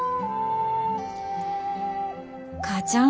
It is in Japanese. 母ちゃん。